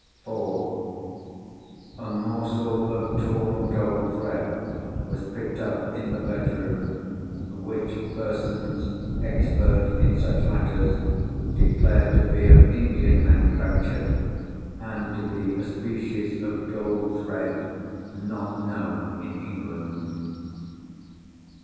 (4) A morsel of torn gold thread was picked up in the bedroom, which persons expert in such matters, declare to be of Indian manufacture, and to be a species of gold thread not known in England.